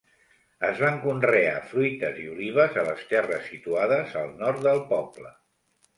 Es van conrear fruites i olives a les terres situades al nord del poble.